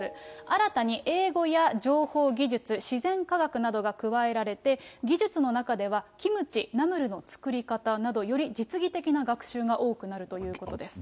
新たに英語や情報技術、自然科学などが加えられて、技術の中では、キムチ、ナムルの作り方など、より実技的な学習が多くなるということです。